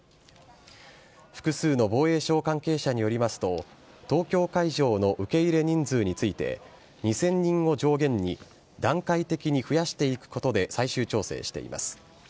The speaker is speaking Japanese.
複数の防衛省関係者によりますと、東京会場の受け入れ人数について、２０００人を上限に段階的に増やしていくことで最終調整しています。